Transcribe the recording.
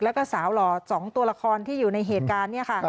แล้วก็สาวหล่อ๒ตัวละครที่อยู่ในเหตุการณ์เนี่ยค่ะ